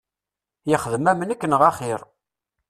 Yexdem am nekk neɣ axir!